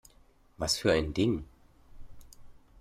Was für ein Ding?